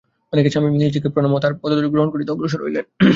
অনেকে স্বামীজীকে প্রণাম ও তাঁহার পদধূলি গ্রহণ করিতে অগ্রসর হইলেন।